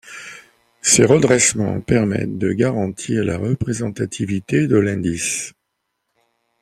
Ces redressements permettent de garantir la représentativité de l’indice.